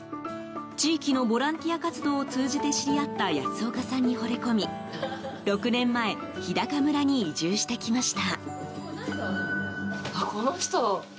地域のボランティア活動を通じて知り合った安岡さんにほれ込み６年前日高村に移住してきました。